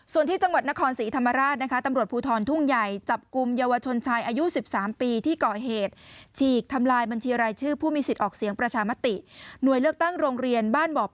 ส่วนที่จังหวัดนครศรีธรรมราชนะคะตำรวจภูทรทุ่งใหญ่